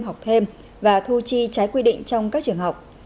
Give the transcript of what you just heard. học thêm và thu chi trái quy định trong các trường học